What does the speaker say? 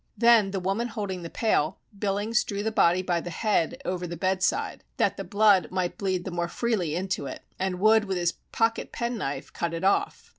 Then the woman holding the pail, Billings drew the body by the head over the bedside, that the blood might bleed the more freely into it; and Wood with his pocket penknife cut it off.